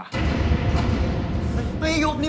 ไอ้หยวกนี่